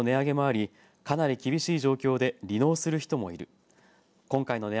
飼料や肥料の値上げもありかなり厳しい状況で離農する人もいる。